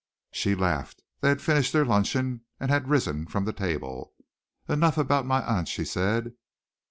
She laughed. They had finished their luncheon and had risen from the table. "Enough about my aunt," she said.